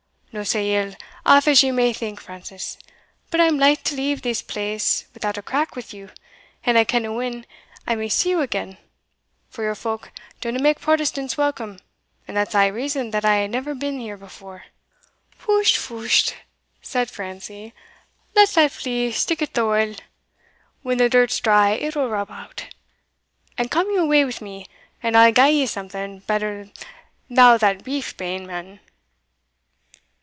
"No sae ill aff as ye may think, Francis. But I'm laith to leave this place without a crack wi' you, and I kenna when I may see you again, for your folk dinna mak Protestants welcome, and that's ae reason that I hae never been here before." "Fusht, fusht," said Francie, "let that flee stick i' the wa' when the dirt's dry it will rub out; and come you awa wi' me, and I'll gie ye something better thau that beef bane, man."